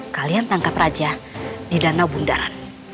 kalian tangkap raja di danau bundaran